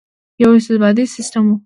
یو استبدادي سسټم وو.